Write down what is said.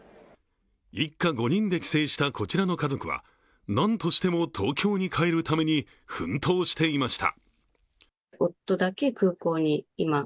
一家５人で帰省したこちらの家族はなんとしても東京に帰るために奮闘していました。